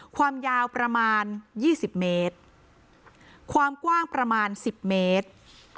ความยาวประมาณ๒๐เมตรความกว้างประมาณสิบเมตร